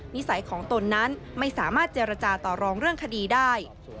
นิสัยของตนนั้นไม่สามารถเจรจาต่อรองเรื่องคดีได้